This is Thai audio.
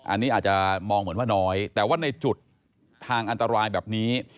อันนี้อาจจะมองเหมือนว่าน้อยแต่ว่าในจุดทางอันตรายแบบนี้